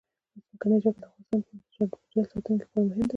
ځمکنی شکل د افغانستان د چاپیریال ساتنې لپاره مهم دي.